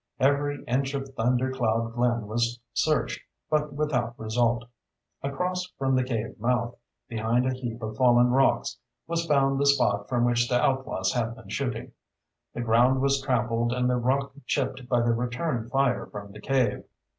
Every inch of Thunder Cloud Glen was searched, but without result. Across from the cave mouth, behind a heap of fallen rocks, was found the spot from which the outlaws had been shooting. The ground was trampled and the rock chipped by the return fire from the cave.